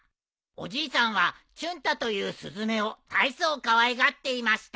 「おじいさんはチュン太というスズメを大層かわいがっていました」